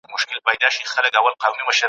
د نورو او اکثریت شاعرانو نه ورته پام کوي `